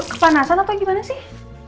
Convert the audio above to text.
kepanasan apa gimana sih